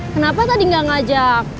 kenapa tadi gak ngajak